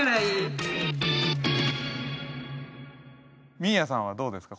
みーやさんはどうですか？